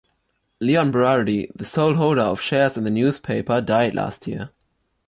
Léon Bérardi, the sole holder of shares in the newspaper, died last year.